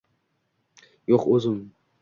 Yo‘q o‘zim